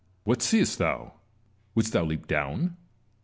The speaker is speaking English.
What seest thou ? Wouldst thou leap down